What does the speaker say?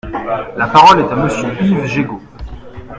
La parole est à Monsieur Yves Jégo.